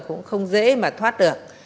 cũng không dễ mà thoát được